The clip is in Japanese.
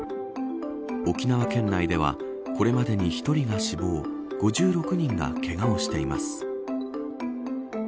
沖縄県内ではこれまでに１人が死亡５６人がけがをしています。